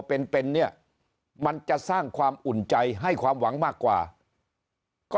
เป็นเป็นเนี่ยมันจะสร้างความอุ่นใจให้ความหวังมากกว่าก็